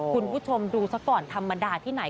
คุณผู้ชมดูซะก่อนธรรมดาที่ไหน